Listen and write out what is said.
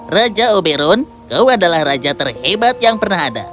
raja oberon kau adalah raja terhebat yang pernah ada